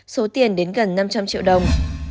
số tiền đến gần năm trăm linh triệu đồng